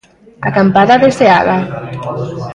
Acampada de Seaga.